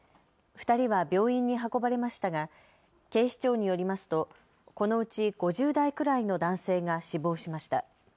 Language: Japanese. ２人は病院に運ばれましたが警視庁によりますと、このうち５０代くらいの男性が死亡しました。